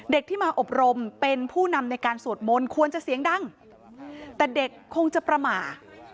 ที่มาอบรมเป็นผู้นำในการสวดมนต์ควรจะเสียงดังแต่เด็กคงจะประมาท